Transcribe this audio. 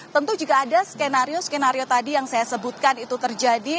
tentu jika ada skenario skenario tadi yang saya sebutkan itu terjadi